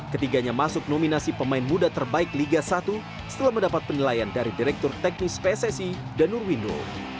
ketiganya masuk nominasi pemain muda terbaik liga satu setelah mendapat penilaian dari direktur teknis pssi danur window